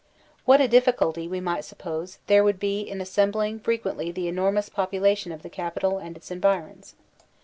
What a diflSculty, we might suppose, there would be in assembling frequently the enormous population of the capital and its environs.